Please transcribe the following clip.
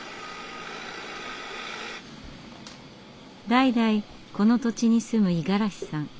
代々この土地に住む五十嵐さん。